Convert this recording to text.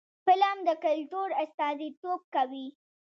فلم د کلتور استازیتوب کوي